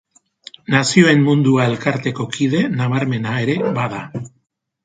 Nazioen Mundua elkarteko kide nabarmena ere bada.